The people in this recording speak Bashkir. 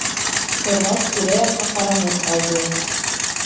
Торғас, тирә-яҡҡа ҡаранып алды.